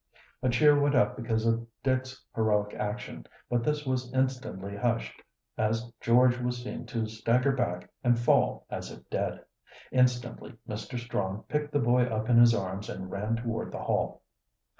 A cheer went up because of Dick's heroic action, but this was instantly hushed as George was seen to stagger back and fall as if dead. Instantly Mr. Strong picked the boy up in his arms and ran toward the Hall.